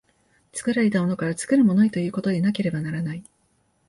作られたものから作るものへということでなければならない。